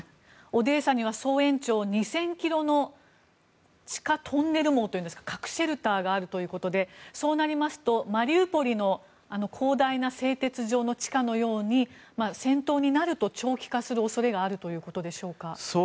オデーサには総延長２０００ｋｍの地下トンネル網といいますか核シェルターがあるということでそうなりますとマリウポリの広大な製鉄所の地下のように、戦闘になると長期化する恐れがあるということでしょうか。